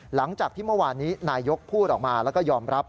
หลังจากที่เมื่อวานนี้นายยกพูดออกมาแล้วก็ยอมรับ